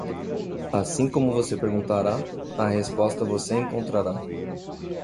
Assim como você perguntará, a resposta você encontrará.